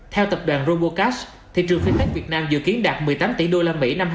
theo tập đoàn robocash thị trường fintech việt nam dự kiến đạt một mươi tám tỷ usd